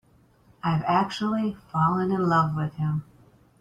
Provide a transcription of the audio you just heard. I've actually fallen in love with him.